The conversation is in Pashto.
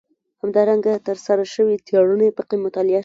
همدارنګه ترسره شوې څېړنې پکې مطالعه شوي.